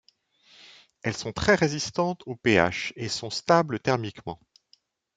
Elles sont très résistantes au pH et sont stables thermiquement.